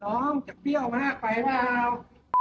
น้องจะเปรี้ยวมากไปเปล่า